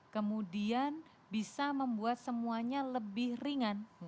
kemudian bisa membuat semuanya lebih ringan